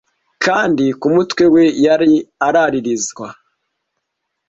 Kandi ku mutwe we yari araririzwa .